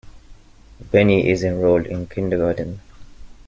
Benny is enrolled in kindergarten.